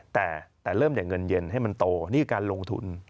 แต่เริ่มจากเงินเย็นให้มันโตนี่คือการลงทุน